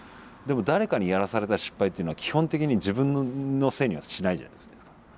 でも誰かにやらされた失敗っていうのは基本的に自分のせいにはしないじゃないですか。